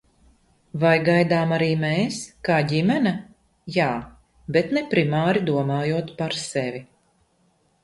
Vai gaidām arī mēs, kā ģimene? Jā. Bet ne primāri domājot par sevi.